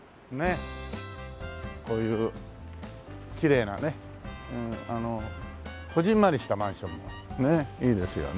こういうきれいなねあのこぢんまりしたマンションもねえいいですよね